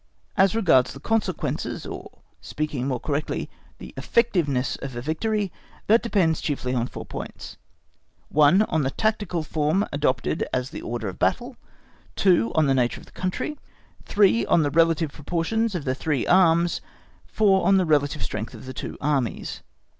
As regards the consequences or speaking more correctly the effectiveness of a victory, that depends chiefly on four points: 1. On the tactical form adopted as the order of battle. 2. On the nature of the country. 3. On the relative proportions of the three arms. 4. On the relative strength of the two Armies.